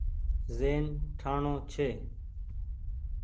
زهين ٺآڻو ڇي۔